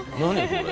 これ。